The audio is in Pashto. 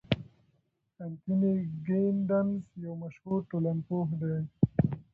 انتوني ګیدنز یو مشهور ټولنپوه دی.